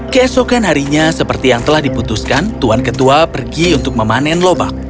keesokan harinya seperti yang telah diputuskan tuan ketua pergi untuk memanen lobak